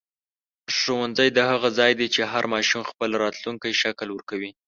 ښوونځی د هغه ځای دی چې هر ماشوم خپل راتلونکی شکل ورکوي.